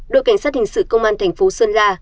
đội cảnh sát hình sự công an thành phố sơn la